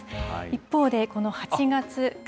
一方で、この８月。